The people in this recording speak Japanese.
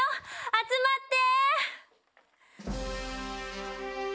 集まって！